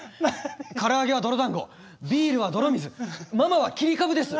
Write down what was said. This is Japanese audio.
から揚げは泥だんごビールは泥水ママは切り株です！